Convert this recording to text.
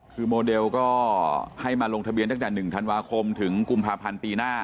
คือโมเดลก็ให้มาลงทะเบียนตั้งแต่๑ธันวาคมถึงกุมภาพันธ์ปีหน้า